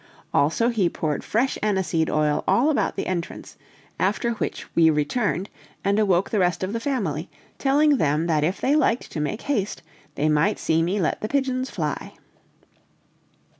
Also he poured fresh aniseed oil all about the entrance, after which we returned, and awoke the rest of the family, telling them that if they liked to make haste, they might see me let the pigeons fly.